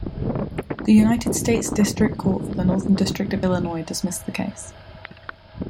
The United States District Court for the Northern District of Illinois dismissed the case.